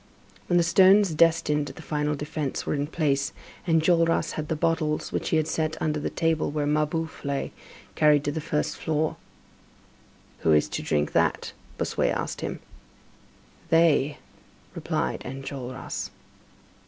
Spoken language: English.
When the stones destined to the final defence were in place, Enjolras had the bottles which he had set under the table where Mabeuf lay, carried to the first floor. "Who is to drink that?" Bossuet asked him. "They," replied Enjolras.